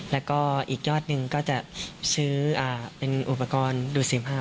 แล้วก็อีกยอดหนึ่งก็จะซื้อเป็นอุปกรณ์ดูดเสมภาพ